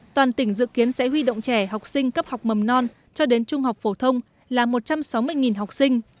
toàn tỉnh dự kiến sẽ huy động trẻ học sinh cấp học mầm non cho đến trung học phổ thông là một trăm sáu mươi học sinh